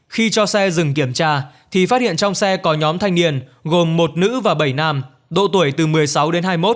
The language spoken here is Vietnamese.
khi cho xe dừng kiểm tra thì phát hiện trong xe có nhóm thanh niên gồm một nữ và bảy nam độ tuổi từ một mươi sáu đến hai mươi một